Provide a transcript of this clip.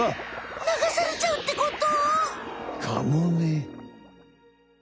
流されちゃうってこと！？